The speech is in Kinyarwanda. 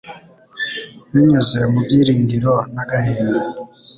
Binyuze mu byiringiro n'agahinda